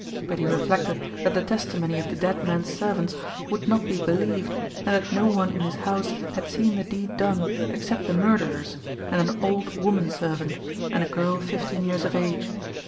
But he reflected that the testimony of the dead man's servants would not be believed, and that no one in his house had seen the deed done, except the murderers, and an old woman servant, and a girl fifteen years of age.